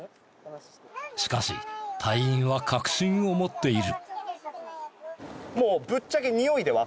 しかし隊員は確信を持っている。